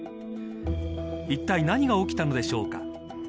いったい何が起きたのでしょうか。